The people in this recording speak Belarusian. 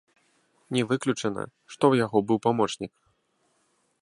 Не выключана, што ў яго быў памочнік.